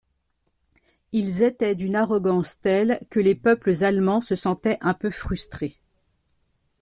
Ils étaient d’une arrogance telle que les peuples allemands se sentaient un peu frustrés.